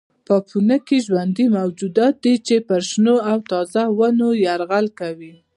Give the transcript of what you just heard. پوپنکي ژوندي موجودات دي چې پر شنو او تازه ونو یرغل کوي.